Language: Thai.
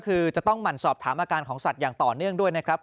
คือจะต้องหมั่นสอบถามอาการของสัตว์อย่างต่อเนื่องด้วยนะครับ